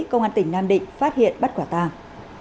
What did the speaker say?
công an tỉnh nam định phát hiện bắt quả tàng